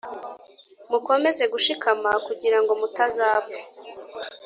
Mukomeze gushikama kugira ngo mutazapfa